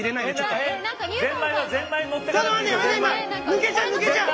抜けちゃう抜けちゃう！